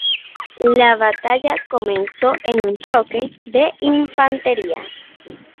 La batalla comenzó en un choque de infantería.